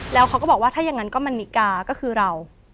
แล้วเขาก็บอกว่าถ้าอย่างนั้นก็มันนิกาก็คือเรา